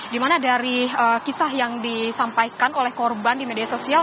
dimana dari kisah yang disampaikan oleh korban di media sosial